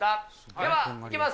ではいきます。